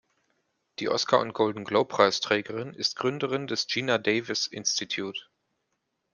Die Oscar- und Golden-Globe-Preisträgerin ist Gründerin des "Geena Davis Institute".